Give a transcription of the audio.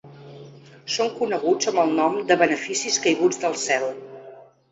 Són coneguts amb el nom de “beneficis caiguts del cel”.